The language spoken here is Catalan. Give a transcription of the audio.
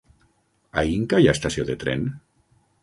A Inca hi ha estació de tren?